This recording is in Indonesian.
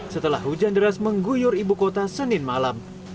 setelah hujan deras mengguyur ibu kota senin malam